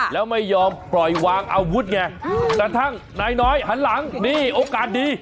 แล้วไม่ยอมปล่อยวางอาวุธไงกระทั่งนายน้อยหันหลังนี่โอกาสดี